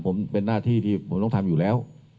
ผมเป็นหน้าที่ที่ผมต้องทำอยู่แล้ว